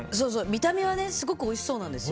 見た目はすごくおいしそうなんですよ。